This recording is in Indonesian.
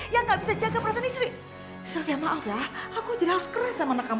yang nggak bisa jaga perasaan istri silvia maaflah aku aja harus keras sama anak kamu